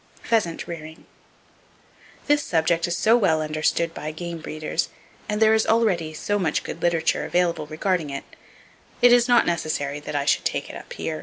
Pheasant Rearing. —This subject is so well understood by game breeders, and there is already so much good literature available regarding it, it is not necessary that I should take it up here.